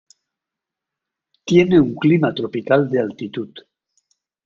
Tiene un clima tropical de altitud.